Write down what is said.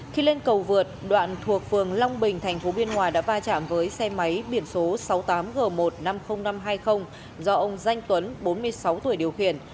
khi lên cầu vượt đoạn thuộc phường long bình tp biên hòa đã va chạm với xe máy biển số sáu mươi tám g một trăm năm mươi nghìn năm trăm hai mươi do ông danh tuấn bốn mươi sáu tuổi điều khiển